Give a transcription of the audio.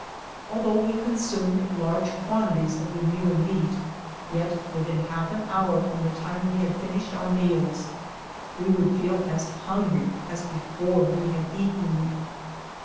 Although we consumed large quantities of the mule meat, yet within half an hour from the time we had finished our meals we would feel as hungry as before we had eaten.